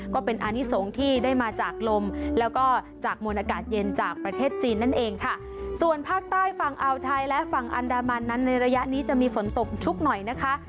ก็เป็นอานิสงฆ์ที่ได้มาจากลมแล้วก็จากมวลอากาศเย็นจากประเทศจีนนั่นเองค่ะส่วนภาคใต้ฝั่งอาวไทยและฝั่งอันดามันนั้นในระยะนี้จะมีฝนตกชุกหน่อยนะคะ